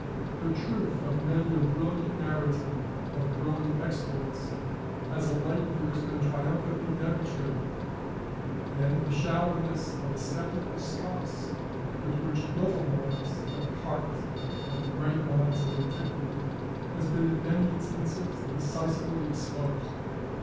The truth of many a brilliant narrative of brilliant exploits has of late years been triumphantly demonstrated; and the shallowness of the sceptical scoffs with which little minds have carped at the great minds of antiquity, has been in many instances decisively exposed.